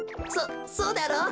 そそうだろう？